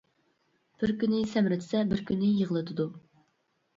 بىر كۈنى سەمرىتسە بىر كۈنى يىغلىتىدۇ.